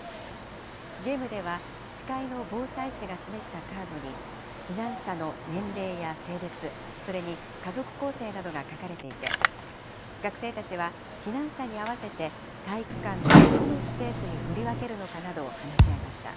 ゲームでは、司会の防災士が示したカードに、避難者の年齢や性別、それに家族構成などが書かれていて、学生たちは避難者に合わせて、体育館のどのスペースに振り分けるのかなどを話し合いました。